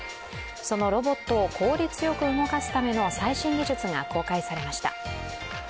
そのロボットを効率よく動かすための最新技術が公開されました。